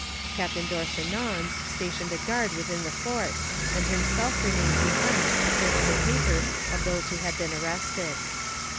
Captain D'Orsonnens stationed a guard within the fort, and himself remained behind to search the papers of those who had been arrested.